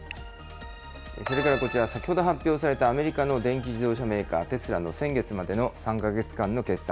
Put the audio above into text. それからこちら、先ほど発表されたアメリカの電気自動車メーカー、テスラの先月までの３か月間の決算。